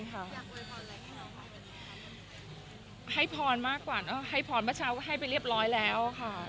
ให้พรมากกว่าให้พรประชาติก็ให้ไปเรียบร้อยแล้วค่ะ